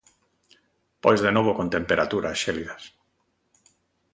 Pois de novo con temperaturas xélidas.